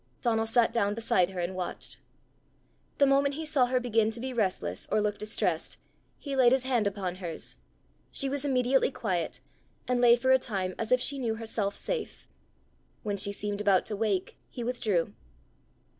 Donal sat down beside her, and watched. The moment he saw her begin to be restless or look distressed, he laid his hand upon hers; she was immediately quiet, and lay for a time as if she knew herself safe. When she seemed about to wake, he withdrew.